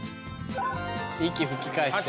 息吹き返して。